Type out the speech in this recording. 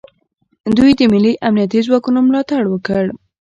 دوی د ملي امنیتي ځواکونو ملاتړ وکړ